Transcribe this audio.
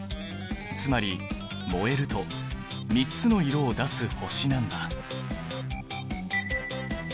つまり燃えると３つの色を出す星なんだ。